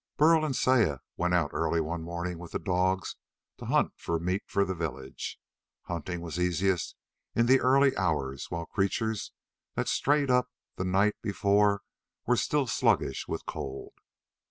Burl and Saya went out early one morning with the dogs, to hunt for meat for the village. Hunting was easiest in the early hours, while creatures that strayed up the night before were still sluggish with cold.